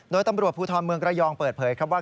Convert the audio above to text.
โดยตำรวจภูทรเมืองระยองเปิดเผยครับว่า